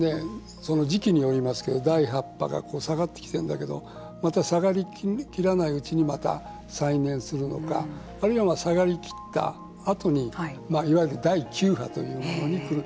その時期によりますけど第８波に下がってきているんだけどまた下がりきらないうちにまた再燃するのかあるいは、下がりきったあとにいわゆる第９波というものが来る。